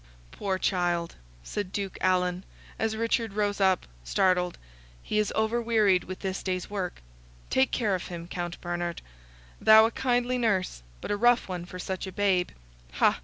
"Poor child!" said Duke Alan, as Richard rose up, startled, "he is over wearied with this day's work. Take care of him, Count Bernard; thou a kindly nurse, but a rough one for such a babe. Ha!